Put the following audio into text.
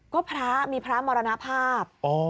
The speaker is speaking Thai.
ก็พระมีพระมรณภาพ